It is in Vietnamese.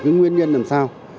tất nhiên làm sao